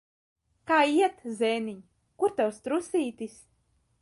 Kā iet, zēniņ? Kur tavs trusītis?